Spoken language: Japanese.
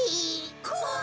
こわい！